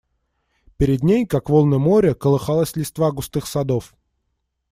Перед ней, как волны моря, колыхалась листва густых садов.